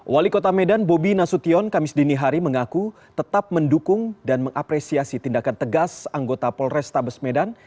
wali kota medan bobi nasution kamis dinihari mengaku tetap mendukung dan mengapresiasi tindakan tegas anggota polrestabes medan